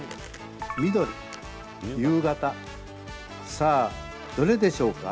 さあ、どれでしょうか？